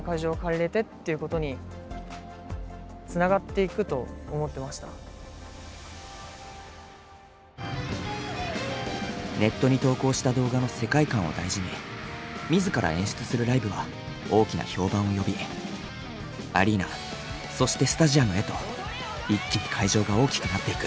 いろんな大きなことができてネットに投稿した動画の世界観を大事に自ら演出するライブは大きな評判を呼びアリーナそしてスタジアムヘと一気に会場が大きくなっていく。